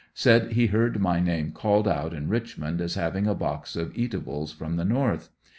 Said he heard my name called out in Richmond as having a box of eatables from the North.